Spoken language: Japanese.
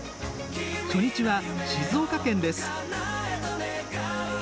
初日は静岡県です。